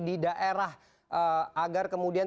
di daerah agar kemudian